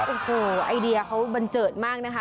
โอ้โหไอเดียเขาบันเจิดมากนะคะ